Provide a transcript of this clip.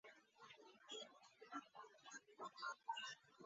Con modificaciones y actualizaciones posteriores, es el que rige en ese país.